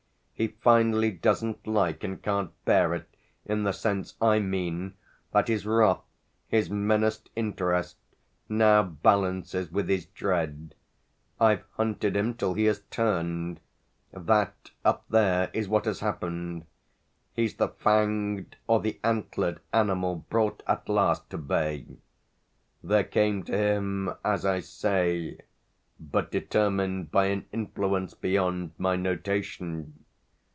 He finally doesn't like and can't bear it, in the sense, I mean, that his wrath, his menaced interest, now balances with his dread. I've hunted him till he has 'turned'; that, up there, is what has happened he's the fanged or the antlered animal brought at last to bay." There came to him, as I say but determined by an influence beyond my notation!